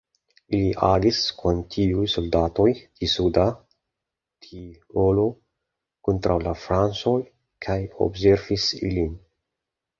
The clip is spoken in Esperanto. Li agis kun tiuj soldatoj de Suda Tirolo kontraŭ la francoj kaj observis ilin.